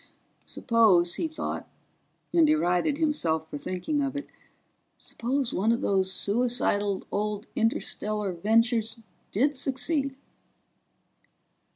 Suppose, he thought and derided himself for thinking it one of those suicidal old interstellar ventures did succeed?